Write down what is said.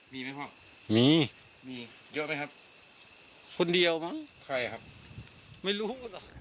มีมีเยอะมั้ยครับคนเดียวมั้ยใครครับไม่รู้